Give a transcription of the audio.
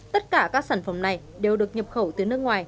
tất cả các sản phẩm này đều được nhập khẩu từ nước ngoài